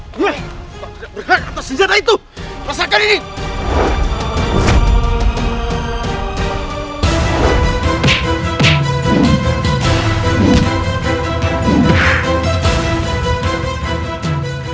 berhak atas senjata itu rasakan ini